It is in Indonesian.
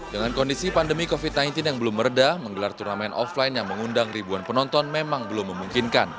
dengan kondisi pandemi covid sembilan belas yang belum meredah menggelar turnamen offline yang mengundang ribuan penonton memang belum memungkinkan